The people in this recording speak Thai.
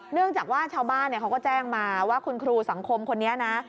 เนื่องจากว่าชาวบ้านเขาก็แจ้งมาว่าคุณครูสังคมคนนี้นะ